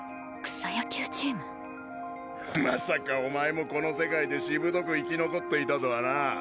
まさかお前もこの世界でしぶとく生き残っていたとはな。